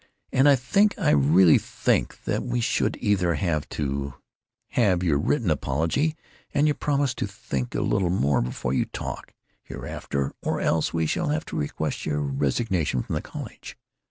And I think, I really think, that we shall either have to have your written apology and your promise to think a little more before you talk, hereafter, or else we shall have to request your resignation from college.